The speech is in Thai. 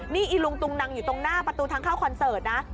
นี่อีลุงตุงนังอยู่ตรงหน้าประตูทางเข้าคอนเสิร์ตนะ